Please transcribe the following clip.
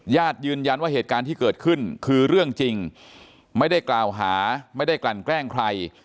ยืนยันว่าเหตุการณ์ที่เกิดขึ้นคือเรื่องจริงไม่ได้กล่าวหาไม่ได้กลั่นแกล้งใคร